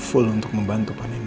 full untuk membantu panino